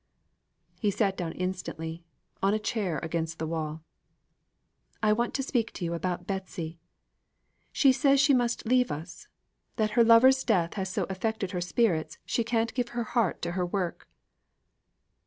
He sat down instantly, on a chair against the wall. "I want to speak to you about Betsy. She says she must leave us; that her lover's death has so affected her spirits she can't give her heart to her work."